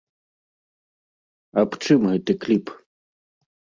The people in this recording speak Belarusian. Аб чым гэты кліп?